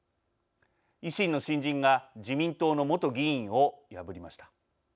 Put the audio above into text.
維新の新人が自民党の元議員を破りました。